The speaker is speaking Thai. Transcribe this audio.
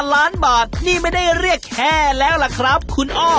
ล้านบาทนี่ไม่ได้เรียกแค่แล้วล่ะครับคุณอ้อ